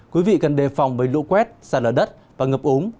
quý vị cần đề phòng với lũ quét xa lở đất và ngập úng